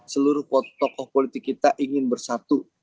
seluruh tokoh politik kita ingin bersatu